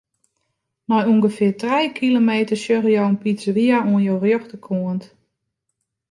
Nei ûngefear trije kilometer sjogge jo in pizzeria oan jo rjochterkant.